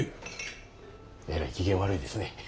えらい機嫌悪いですね。